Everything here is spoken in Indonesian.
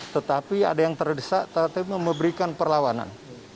tetapi ada yang terdesak tetapi memberikan perlawanan